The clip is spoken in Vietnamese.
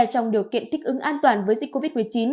trong điều kiện thích ứng an toàn với dịch covid một mươi chín